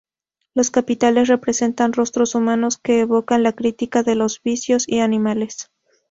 Los capiteles representan rostros humanos que evocan la crítica de los vicios, y animales.